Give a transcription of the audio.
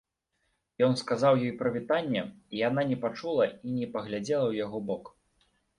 Ён сказаў ёй прывітанне, і яна не пачула і не паглядзела ў яго бок.